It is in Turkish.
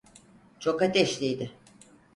Çok ateşliydi.